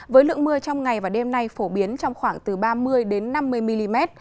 với lượng mưa trong ngày và đêm nay phổ biến trong khoảng từ ba mươi năm mươi mm